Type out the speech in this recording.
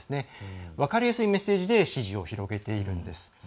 分かりやすいメッセージで支持を広げているんです。